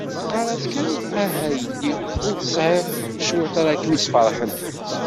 Teqqar-as kan ah a yelli, ur tesɛiḍ cwiṭ akka ad kem-isferḥen.